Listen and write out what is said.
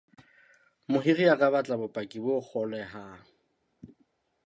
Mohiri a ka batla bopaki bo kgolwehang.